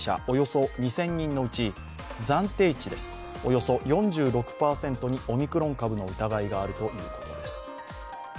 およそ２０００人のうち暫定値です、およそ４６％にオミクロン株の疑いがあるということです。